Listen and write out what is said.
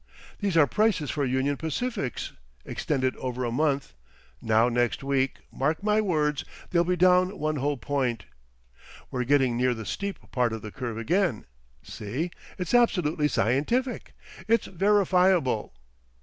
These are prices for Union Pacifics—extending over a month. Now next week, mark my words, they'll be down one whole point. We're getting near the steep part of the curve again. See? It's absolutely scientific. It's verifiable.